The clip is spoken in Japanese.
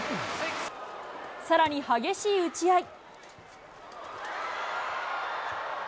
さらに、激しい打ち合い。